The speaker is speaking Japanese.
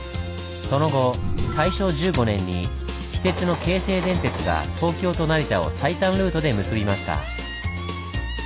その後大正１５年に私鉄の京成電鉄が東京と成田を最短ルートで結びました。